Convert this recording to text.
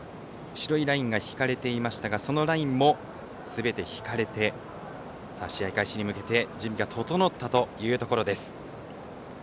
白いラインが引かれていましたがそのラインもすべて引かれて試合開始に向けて準備が整ったというところです。